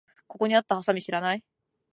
ここにあったハサミ知らない？